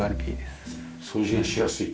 掃除がしやすい。